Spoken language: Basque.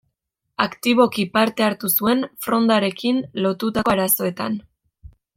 Aktiboki parte hartu zuen Frondarekin lotutako arazoetan.